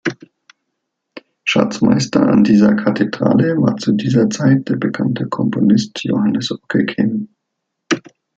Schatzmeister an dieser Kathedrale war zu dieser Zeit der bekannte Komponist Johannes Ockeghem.